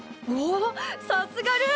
さすがルー！